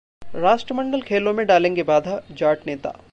राष्ट्रमंडल खेलों में डालेंगे बाधा: जाट नेता